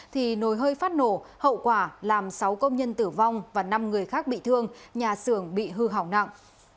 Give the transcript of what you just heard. thì nồi hơi phát nổ hậu quả làm sáu công nhân tử vong và năm người khác bị thương nhà xưởng bị hư hỏng nặng